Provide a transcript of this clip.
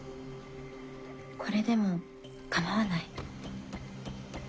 これでもかまわない？